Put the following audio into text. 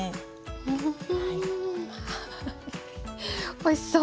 おいしそう！